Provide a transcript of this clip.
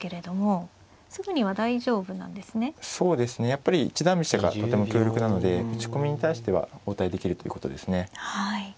やっぱり一段飛車がとても強力なので打ち込みに対しては応対できるということですね。